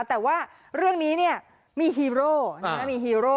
แต่ว่าเรื่องนี้มีฮีโร่มีฮีโร่